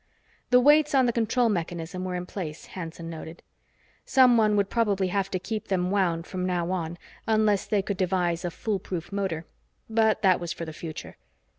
The weights on the control mechanism were in place, Hanson noted. Someone would probably have to keep them wound from now on, unless they could devise a foolproof motor. But that was for the future.